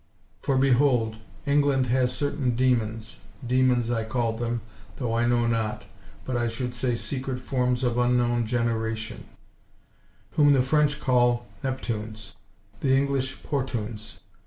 For, behold! England has certain dæmons (dæmons, I call them, though I know not, but I should say secret forms of unknown generation), whom the French call Neptunes, the English Portunes.